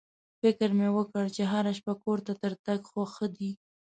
فکر مې وکړ چې هره شپه کور ته تر تګ خو ښه دی.